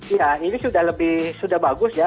iya ini sudah bagus